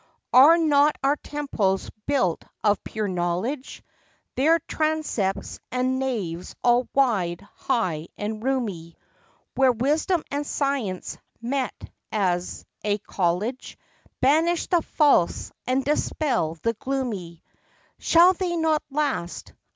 Are not our temples built of pure knowledge ? Their transepts and naves all wide, high and roomy; Where wisdom and science met as a college, Banish the false and dispel the gloomy ! Shall they not last